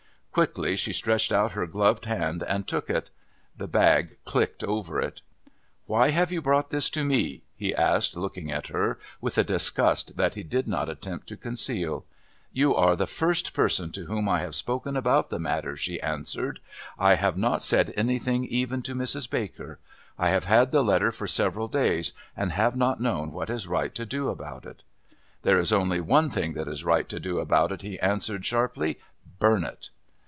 Quickly she stretched out her gloved hand and took it. The bag clicked over it. "Why have you brought this to me?" he asked, looking at her with a disgust that he did not attempt to conceal. "You are the first person to whom I have spoken about the matter," she answered. "I have not said anything even to Mrs. Baker. I have had the letter for several days and have not known what is right to do about it." "There is only one thing that is right to do about it," he answered sharply. "Burn it."